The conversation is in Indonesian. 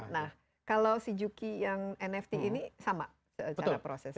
nah kalau si juki yang nft ini sama secara prosesnya